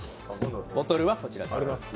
ボトルは、こちらです。